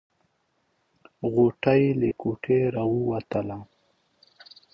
غوټۍ له کوټې راووته.